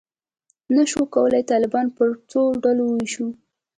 نه شو کولای طالبان پر څو ډلو وویشو.